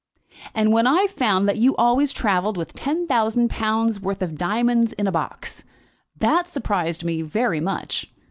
"And when I found that you always travelled with ten thousand pounds' worth of diamonds in a box, that surprised me very much.